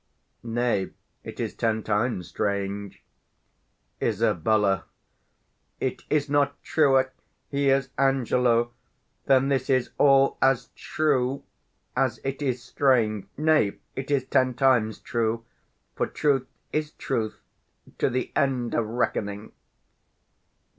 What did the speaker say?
_ Nay, it is ten times strange. Isab. It is not truer he is Angelo Than this is all as true as it is strange: Nay, it is ten times true; for truth is truth 45 To th' end of reckoning.